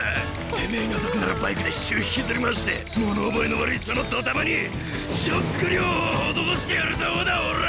てめえが族ならバイクで市中引きずり回して物覚えの悪いそのドタマにショック療法施してやるとこだオラ！